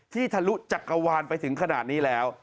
ทะลุจักรวาลไปถึงขนาดนี้แล้ว